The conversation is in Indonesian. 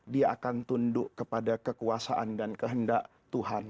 dia akan tunduk kepada kekuasaan dan kehendak tuhan